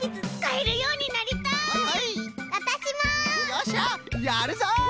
よっしゃやるぞ！